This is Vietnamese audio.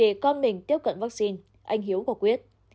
với việc để con mình tiếp cận vắc xin anh hiếu có quyết